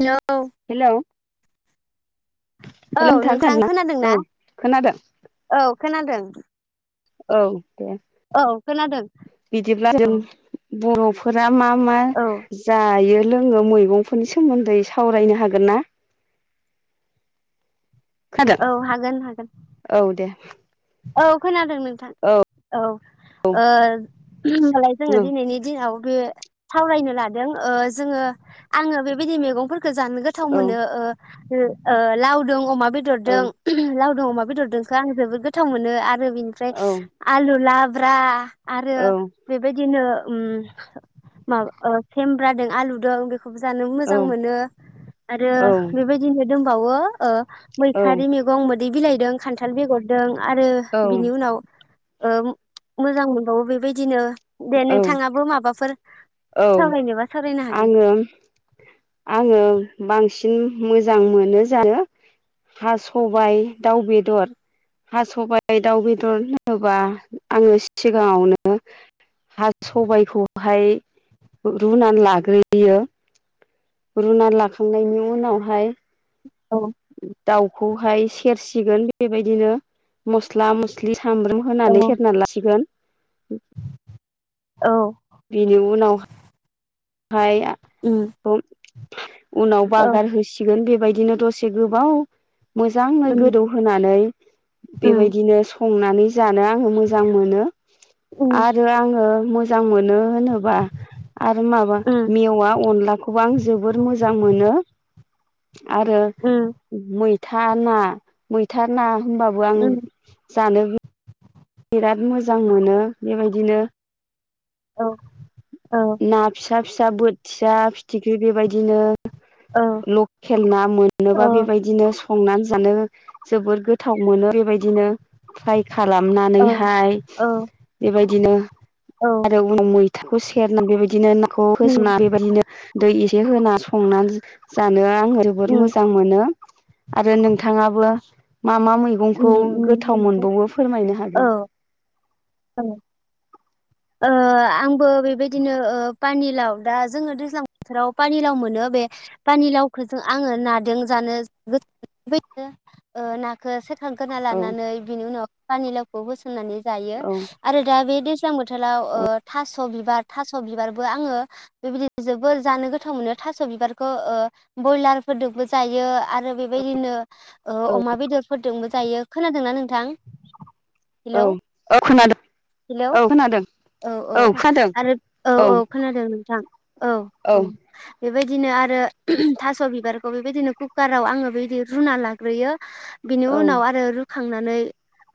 Hello hello औ hello नोंथां खोनादोंना खोनादों ना औ खोनादों औ खोनादों? [unintelligible] औ दे औ खोनादों बिदिब्ला जों औ बर' मा मा जायो? जोंङो मैगंफोरनि सोमोन्दै सावरायनो हागोन ना? खोनादों औ हागोन हागोन औ दे औ खोनादों नोंथां औ ओ औ होनोमबालाय जोङो दिनैनि दिनाव बे सावरायनो लादों ओजोंङो आंङो बेबायदि मैगं जानो गोथाव औ मोनो ओ ओ लावदों अमा बे औ बेदरदों अमा बेदरदोखो आं जोबोद गोथाव मोनो आरो बिनिफ्राय औ आलु ला ब्रा आरो औ बेबायदिनो ओम बा सेमब्रा दों आलु दों जानो मोजां मोनो आरो बेबायदिनो दंबावो ओ औ मैथारि मैगं मोैदै बिलाइ दों खान्थाल बेगरदों आरो औ बिनि उनाव ओं मोजां मोनबावो बेबायदिनो दे नोंथाङाबो माबाफोर औ-औ सावरायनोबा सावरायनो हागोन। आङो-आङो बांसि न मोजां मोनो जानो हा सबायाइ दाउ बेदर हा सबाइ दाउ बेदर होनोबा आङो सिगाङावनो हा सबायखौहाय रुनानै लाग्रोयो रुना लाखांनायनि उनावहाय औ दाउखौहाय सेरसे सिगोन बेबायदिनो मस्ला-मस्लि सामब्राम औ होनानै सेरना लासिगोन [inaudible] औ बिनि उनाव हाय उम उनाव औ बागार होसिगोन बे बेबायदिनो दसे गोबाव मोजाङै उम गोदौहोनानै उम बेबायदिनो संनानै जानो आङो मोजां मोनो उम आरो आङो मोजां मोनो होनोबा माबा उम मेवा अनलाखौबो आं जोबोर मोजां मोनो आरो उम मै था ना मैथा ना होमबाबो आं उम जानो बिराद मोजां मोनो बेबायदिनो- औ। औ ना फिस ना फिसा बोथिया फिथिख्रि बेबायदिनो औ लकेल ना औ मोनोबा बेबायदिनो संनानै जानो जोबोर गोथाव मोनो बेबायदिनो। फ्राइ औ खालामनानैहाय औ बेबायदिनो औ आरो उन मै [unintelligible] [unintelligible] बेबायदिनो ना खौ उम होसोमना बेबायदिनो दै एसे होना संना जानो [unintelligible] जोबोर उम मोजां मोनो। आरो नोंथाङाबो मा मा मैगंखौ उम गोथाव उम मोनबावो फोरमायनो औ हागोन। औ ओ आंबो। बेबायदिनो ओ पानिलाव दा जोङो दैज्लां बोथोराव पानिलाव मोनो बे पानिलावखौ जों आङो नादों जानो [unintelligible] ओ नाखौ थांखोना औ लानानै बिनि उनाव पानिलावखौ [unintelligible] होननानै जायो आरो दा बे [unintelligible] हटेलाव औ ओ थास' बिबार थास' बिबारबो आङो बेबायदि जोबोर जानो गोथाव मोनो थास' बिबारखौ ओ बयलारफोरदोबो जायो। आरो बेबायदिनो ओ औ अमा बेदरफोरदोंबो। दायो खोनादोंना नोंथां? औ हेलौ औ खोनादों हेलौ औ खोनादों। औ औ आरो औ औ खोनादों नोंथां औ औ बेबाय दिनो आरो थास' बिबारखौ बेबायदिनो कुकाराव आङो बेबायदि रुना लाग्रोयो। बिनि औ उनाव आरो रु खांनानै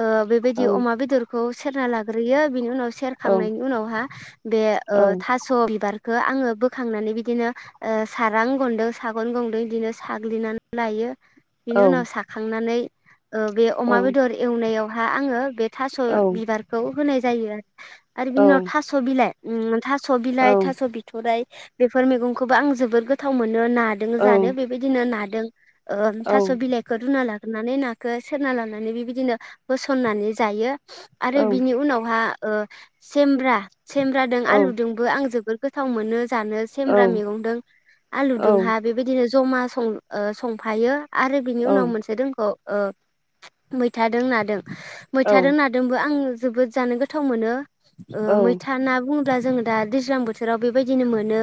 ओ बेबायदि औ अमा बेदरखौ सेरना लाग्रोयो बिनि उनाव औ खांनायनि उनावहा बे ओ थास' बिबार खो आङो बोखांनानै बिदिनो ओ सारां गनदों सागन गनदों बिदिनो साग्लिनानै लायो। बिनि उनाव साखांनानै ओ बे अमा बेदर एवनायाव हा आङो बे थास' औ बिबारखौ होनाय जायो आरो आरो बिनि उनाव उम थास' बिलाइ उम था स' बिलाइ थास' बिथ'राय बेफोर मैगंखौबो आं जोबोर गोथाव मोनो। नादों जानो बेबायदिनो ना दों। ओ थास' औ बिलाइखौ रुना ला‌ ग्रोनानै नाखौ सेरना लानानै बेबायदिनो होसननानै जायो। आरो बिनि उनावहा ओ सेमब्रा सेेब्राजों आलुजोंबो आं जोबोद गोथाव मोनो जानो सेमब्रा मेगंदो आलुजोंहा बेबायदिनो जमा सं ओ संफायो। आरो बिनि उनाव मोनसे दोंखौ ओ मैथादों नादों मैथादों नादोंबो आं जोबोद जानो गोद गोथाव मोनो। औ मैथा ना बुङो ब्ला जोङो दा दैज्लां बोथोराव बेबायदिनो मोनो।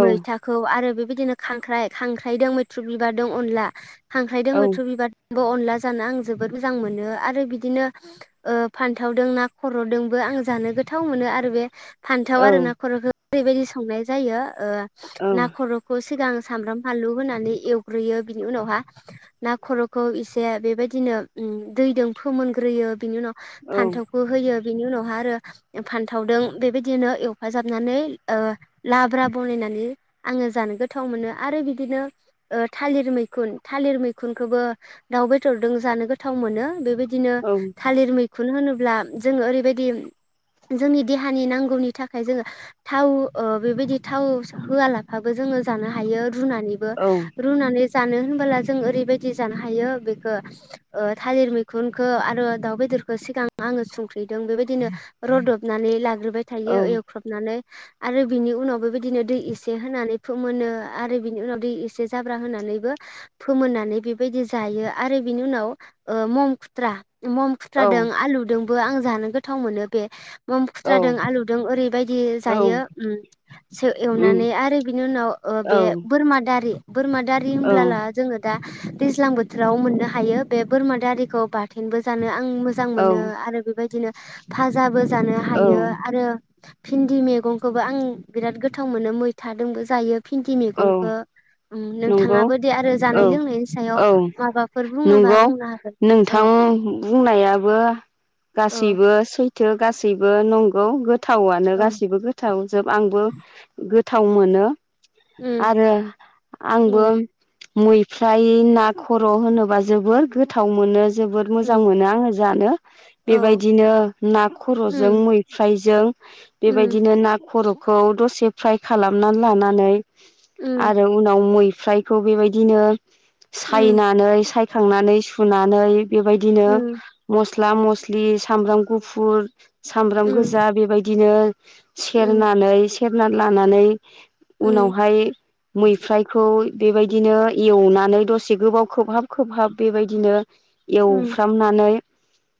मैथाखौ आरो बे बिदिनो खांख्राइ खांख्राइदों मैथ्रु बिबारदों अनला हांख्रायदों मैथ्रु बिबार बो अनला जानो आं जोबोद मोजां मोनो आरो बिदिनो ओ फानथावदों ना खर'दोंबो आं जानो गोथाव मोनो आरो बे फान्थाव आरो ना खर'खो ओरैबायदि संनाय जायो ओ ना खर'खौ सिगां सामब्राम फानलु होनानै एवग्रोयो बिनि उनावहा ना खर'खौ इसे बेबायदिनो उ दैजों फोमोनग्रोयो। बिनि उनाव फान्थाव होयो बिनि उनाव हा आरो फान्थावदों बेबायदिनो एवफाजाबनानै ओ लाब्रा बनायनानै आङो जानो गोथाव मोनो आरो बिदिनो ओ थालिर मैखुन थालिर मैखुनखौबो दाउ बेदरजों जानो गोथाव मोनो बेबाय दिनो थालिर मै खुनहोनोब्ला जोङो ओरैबायदि जोंनि देहानि नांगौनि थाखाय जोङो थाव ओ बेबायदि थाव होआलाफाबो जोङो जानो हायो। रुनानैबो रुनानै जानो होनबोला जों ओरैबायदि जानो हायो ओ बेखौ ओ थालिर मैखुनखौ आरो दाउ बेदरखौ सिगां आङो संख्रिदों बेबायदिनो रदबनानै लाग्रो बाय थायो एवफ्रामनानै। आरो बिनि उनाव बेबायदिनो दै एसे होनानै फोमोनो आरो बिनि उनाव दै एसे जाब्रा होनानैबो फोमोननानै बेबायदि जायो आरो बिनि उनाव ओ मम खुथ्रा। मम खुथ्रा दों आलु दों। बो आं जानो गोथाव मोनो बे मम खुथ्राजों आलुदों ओरैबायदि जायो एवनानै आरो बिनि उनाव ओ बे बोरमा दारि। बोरमा दारि होनब्लाला जोङो दा दैज्लां बोथोराव मोननो हायो बे बोरमा दारिखौ बा बाथेनबो जानो आं मोजां मोनो आरो। बिदिनो भाजाबो जानो औ हायो आरो भिन्दि मैगंखौबो आं बिराद गोथाव मोनो मैथाजोंबो जायो। भिन्दि औ मैगंखौ नंगौ नोंथाङाबो दे आरो औ जानाय लोंनायनि सायाव औ माबाफोर बुङोबा नंगौ बुंनो हागोन नोंथां बो औ। सैथो गासै बेबो नंगौ गो गोथावआनो औ गासिबो गोथाव। जोब आंबो गोथाव मोनो। उम आरो आंबो उम मैफ्राय ना खर' होनोबा जबोर गोथाव मोनो। जोबोद मोजां उम मोनो आङो जानो औ बेबायदिनो ना खर'जों उम मैफ्राय जों उम बेबायदिनो ना खर' खौ दसे फ्राय खालामनानै लानानै। उम आरो उनाव मै फ्रायखौ बेबायदिनो उम सायनानै साय थांनानै सुनानै। बेबायदिनो मस उम मस्ला, मस्लि, सामब्राम गुफुर। सामब्राम उम गोजा बेबायदिनो सेरनानै सेबनानै लानानै ओम। बेहाय मैफ्रायखौ बेबायदिनो एवनानै दसे गोबाव खोबहाब खोबहाब बेबायदिनो उम एवफ्रामनानै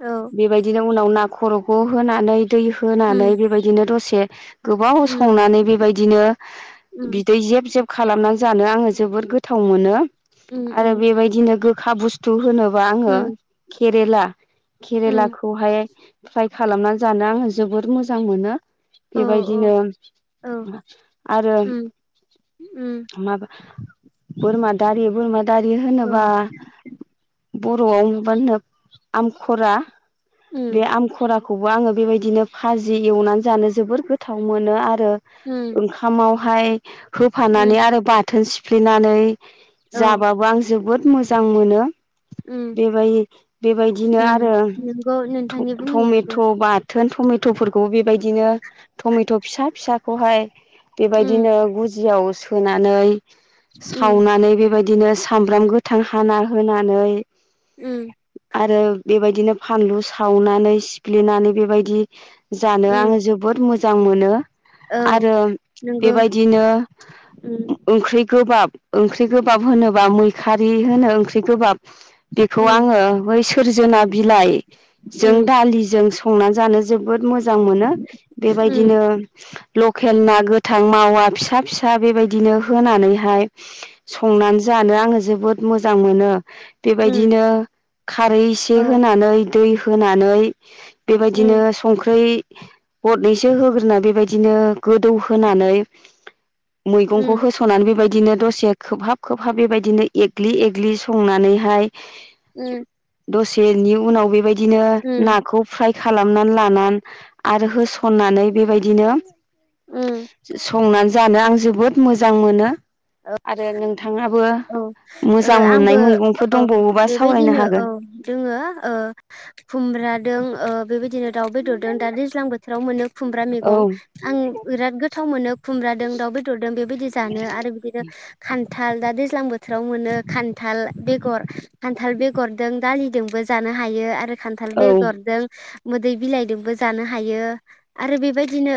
औ बेबायदिनो उनाव ना खर'खौ होनानै दै होनानै उम बेबायदिनो दसे गोबाव उम संनानै बेबायदिनो उम बिदै जेब जेब खालामना जानो आङो जोबोद गोथाव मोनो। उम आरो उम बेबायदिनो गो खा बुस्थु होनो आङो उम खेर देला उम केरेलाखौहाय फ्राय खालामनानै जानो आङो जोबोर मोजां मोनो। बेबायदिनो औ आरो माबा बोरमा दारि बोरमा जारि होनोबा बर'आव बानहोनो आमख'रा दे आम ख'राखौ खौबो आङो बेबायदिनो फाजि एवनानै जानो जोबोर गोथाव मोनो आरो यो ओंखामाव हाय होफानानै आरो बाथोन सि फ्लेनानै जाबाबो आं जोबोद मोजां मोनो। बेबाय बेबायदिनो आरो नंगौ थ' नोंथांनि बुंनायाबो थमेथ' बाथ थोन थमेथ'फोरखौ बेबायदिनो थमेथ' फिसा फिसाखौहाय उम बेबायदिनो याव सोनानै उम सावनानै बेबायद [unintelligible] सामब्राम गोथां हाना होनानै उम आरो बेबायदिनो फानलु सावनानै सिफ्लेनानै बेबायदि जानो उम आङो जोबोद मोज जां मोनो। औ नोंगौ दिनो ओंख्रै गोबाब ओंख्रि गोबाब होनोबा मैखारि होनो ओंख्रि गोबाब बेखौ उम आङो बै सोरजोना बिलाइ जों उम दालिजों सं संना जानो जोब बोद मोजां मोनो उम बेबायदिनो लकेल ना गोथां मावा फिसा फिसा बेबायदिनो होनानैहाय संनानै जानो आङो जोबोद मोजां मोनो। उम बेबायदिनो खारै एसे औ होनानै दै होनानै बेबायदिनो संख्रै गटनैसो होग्रोना बेबायदि दिनो गोदौहोनानै मैगंखौ होस'नानै बेबायदि दिनो दसे खोबहाब खोबहाब बेबायदिनो एग्लि एग्लि संनानैहाय उम बेनि उनाव बेबायदि बिदिनो नाखौ फ्राय खालामनानै लानानै आरो होसननानै बेबायदिनो उम संनानै जानो आं जोबोद मोजां मोनो औ आरो नोंथाङाबो औ ओ मोजां मोननाय आंबो मैगंफोर औ दंबावोबा सावरायनो बेबायदिनो औ हागोन दोङो खुमब्रा दों ओ बेबायदिनो दाउ बेदरदों दा दैज्लां बो फ्राव मोनो खुमब्रा औ मेगं आं बिराद गोथाव मोनो खुमब्रादों दाउ बेदरदों बेबायदि जानो आरो खान न्थाल दा दैज्लां बोथोराव मोनो खान्थाल बेगर खान्थाल बेगरदों दालिजोंबो जानो हायो आरो खान्थाल औ बेगरजों मोदै बिलाइदोंबो जानो हायो आरो बेबायदिनो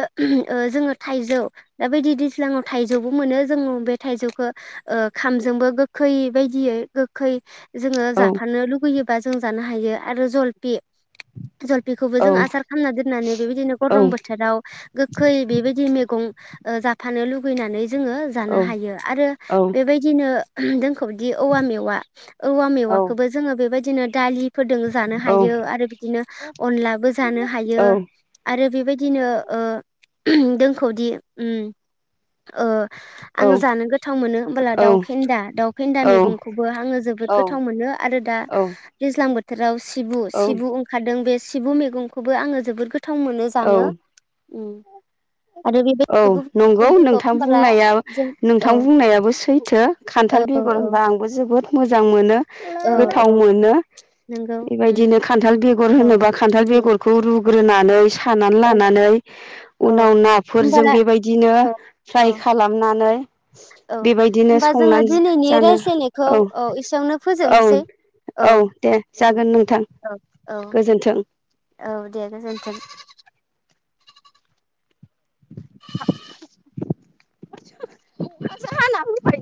जोङो ओ थाइजौ दा बादि दैज्लाङाव थाइजौबो मोनो जोंङो बे थाइजौखो ओ ओंखामजोंबो गोखै बायदियै गोखै जोङो औ जाफानो लुुबैयो बा जों जानो हायो आरो जलपि जलपिखौबो औ जों आसार खालामामना दोननानै बेबायदिनो औ गरम बोथोराव गोखै बेबायदि मेगं ओ जाफानो लुुबैनानै जोङो औ जानो हायो आरो औ बेबायदिनो जोंखौ बिदि औवा मेवा औवा मेवाखौबो जोङो बेबायदि दिनो दालि फोदों जानो औ हायो आरो बिदिनो अनलाबो जानो हायो आरो बेबायदिनो ओ दोंखौदि उम ओ औ आङो जानो गोथाव मोनो दाव फेन्दा दाव फेन्दा मेगंखौबो आंओ जोबोद गोथाव मोनो आरो दा औ दैज्ला जां बोथोराव सि सिबु सिबु ओंखारदों बे सिबु मेगंखौबो आङो जोबोद गोथा थाव मोनो औ जानो। उम आरो औ बेबायदिनो गुबुन नंगौ गुबुन रोखौ नोंथां होनबोला बुंनाया जों नों औ थां बुंनायाबो सैथो खान्थाल औ बेगर औ होनबा आंबो जोबोद मोजां मोनो औ गोथाव औ मोनो नंगौ उम बेबायदिनो खान्थाल बेगर औ होनोबा खान्थाल उम बेगरखौ रु सुग्रोनानै थानानै औ लानानै औ उनाव ना फोरजों होमबा बेबायदिनो औ औ फ्राय खालामनानै नै औ बेबायदिनो होमबा जोङो संनानै दिनैनि जानो रायज्लायनायखौ औ एसेयावनो औ फोजोबनोसै औ दे जागोन नोंथां औ औ गोजोनथों। औ दे गोजोनथों। [inaudible]